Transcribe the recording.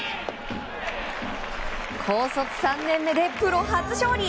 高卒３年目でプロ初勝利！